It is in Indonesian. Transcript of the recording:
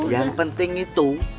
yang penting itu